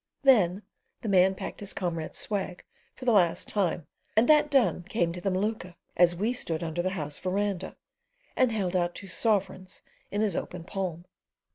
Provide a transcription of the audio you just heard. Then the man packed his comrade's swag for the last time, and that done, came to the Maluka, as we stood under the house verandah, and held out two sovereigns in his open palm.